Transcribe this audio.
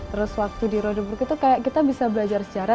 terus waktu di rodebook itu kayak kita bisa belajar sejarah